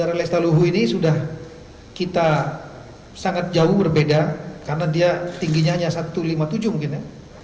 r lestaluhu ini sudah kita sangat jauh berbeda karena dia tingginya hanya satu ratus lima puluh tujuh mungkin ya